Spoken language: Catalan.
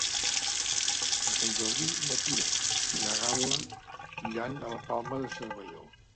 Per Sant Jordi na Tura i na Gal·la iran a la Palma de Cervelló.